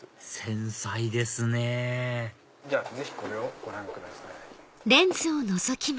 繊細ですねぇぜひこれをご覧ください。